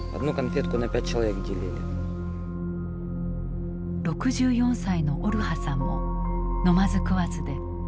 ６４歳のオルハさんも飲まず食わずで長時間耐え続けた。